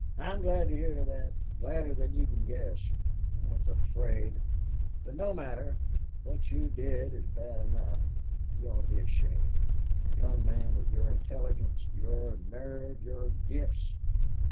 "I'm glad to hear that gladder than you can guess. I was afraid But no matter.... What you did do is bad enough. You ought to be ashamed. A young man with your intelligence, your nerve, your gifts!